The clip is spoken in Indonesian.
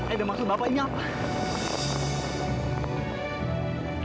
aida maksud bapak ini apa